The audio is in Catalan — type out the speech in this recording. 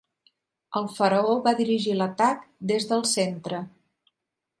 El faraó va dirigir l'atac des del centre.